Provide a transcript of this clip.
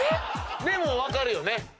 でも分かるよね。